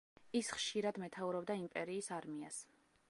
ის ხშირად მეთაურობდა იმპერიის არმიას.